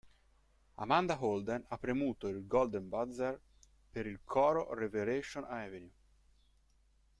Amanda Holden ha premuto il Golden Buzzer per il coro Revelation Avenue.